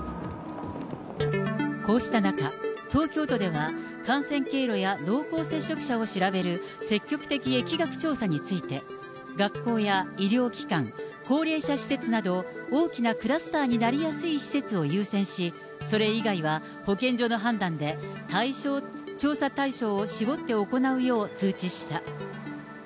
こうした中、東京都では感染経路や濃厚接触者を調べる積極的疫学調査について、学校や医療機関、高齢者施設など、大きなクラスターになりやすい施設を優先し、それ以外は保健所の判断で、調査対象を絞って行うよう通知した。